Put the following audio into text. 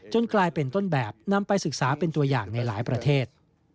กลายเป็นต้นแบบนำไปศึกษาเป็นตัวอย่างในหลายประเทศ